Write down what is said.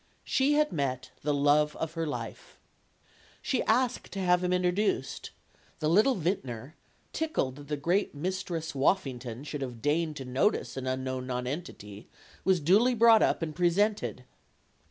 She had met the love of her life. She asked to have him introduced. The little vint ner, tickled that the great Mistress Woffington should PEG WOFFINGTON 49 have deigned to notice an unknown nonentity, was duly brought up and presented.